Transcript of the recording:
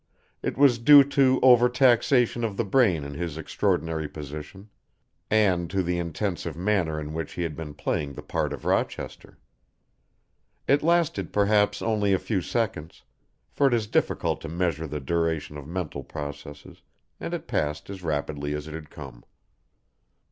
It was due to over taxation of the brain in his extraordinary position, and to the intensive manner in which he had been playing the part of Rochester. It lasted perhaps, only a few seconds, for it is difficult to measure the duration of mental processes, and it passed as rapidly as it had come.